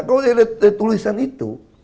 kalau ada tulisan itu